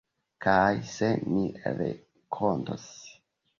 Kaj se ni renkontos.